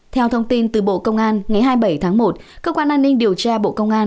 theo thông tin từ bộ công an ngày hai mươi bảy tháng một cơ quan an ninh điều tra bộ công an